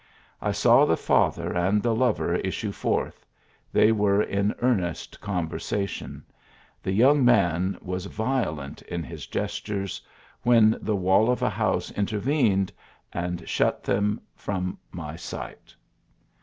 I saw the father and the lover issue forth they were in earnest conversation the young man was violent in his gestures, when the wall of a house intervened and shut them from my sight.